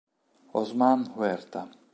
Osman Huerta